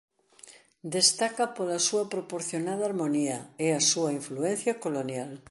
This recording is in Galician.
Destaca pola súa proporcionada harmonía e a súa influencia colonial.